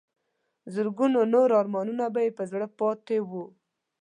زرګونو نور ارمانونه به یې پر زړه پاتې وو.